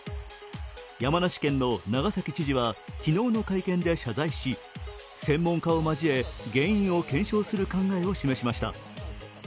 山梨県の長崎知事は昨日の会見で謝罪し、専門家を交え、原因を検証する考えを示しました。